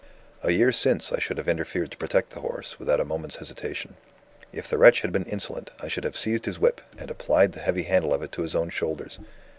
A year since I should have interfered to protect the horse, without a moment's hesitation. If the wretch had been insolent, I should have seized his whip, and applied the heavy handle of it to his own shoulders.